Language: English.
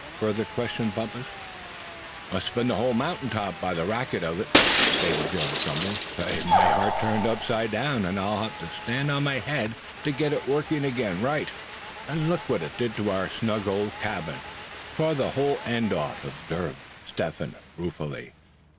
further questioned Bumpus. "Must have been the whole mountain top, by the racket it kicked up," Davy Jones grumbled; "say, my heart turned upside down; and I'll have to stand on my head to get it to working again the right way." "And look at what it did to our snug old cabin; tore the whole end off!" observed Step Hen, ruefully.